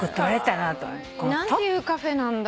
何ていうカフェなんだろう？